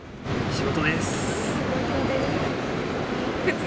仕事です。